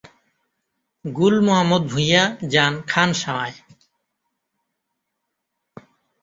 গুল মোহাম্মদ ভূঁইয়া যান খানসামায়।